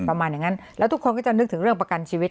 ประมาณอย่างนั้นแล้วทุกคนก็จะนึกถึงเรื่องประกันชีวิต